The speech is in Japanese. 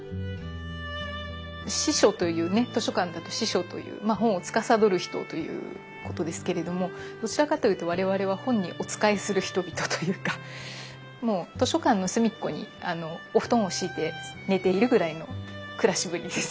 「司書」というね図書館だと司書という本をつかさどる人ということですけれどもどちらかというと我々は図書館の隅っこにお布団を敷いて寝ているぐらいの暮らしぶりです。